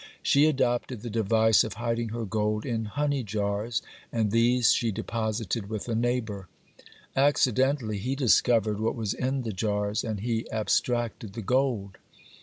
She adopted the device of hiding her gold in honey jars, and these she deposited with a neighbor. Accidentally he discovered what was in the jars, and he abstracted the gold.